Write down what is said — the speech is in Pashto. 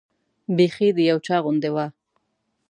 بیخي د یو چا غوندې وه.